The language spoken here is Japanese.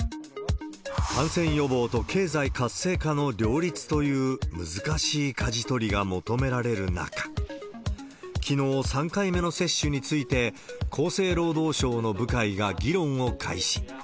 感染予防と経済活性化の両立という難しいかじ取りが求められる中、きのう、３回目の接種について、厚生労働省の部会が議論を開始。